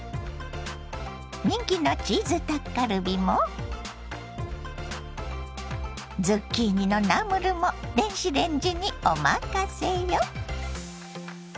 人気のチーズタッカルビもズッキーニのナムルも電子レンジにおまかせよ。